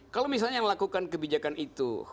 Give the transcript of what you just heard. kalau misalnya melakukan kebijakan itu